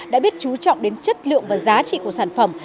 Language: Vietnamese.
phải chú trọng đến chất lượng và giá trị của sản phẩm